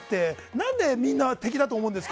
何でみんな敵だと思うんですか？